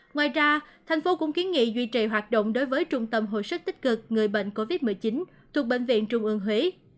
ngoài ra thành phố cũng kiến nghị duy trì hoạt động đối với trung tâm hồi sức tích cực người bệnh covid một mươi chín thuộc bệnh viện trung ương huế